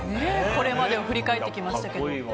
これまでを振り返ってきましたけど。